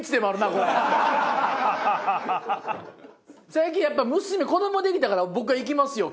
最近やっぱ娘子どもができたから僕は行きますよ